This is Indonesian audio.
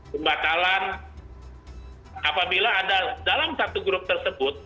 pembatalan apabila ada dalam satu grup tersebut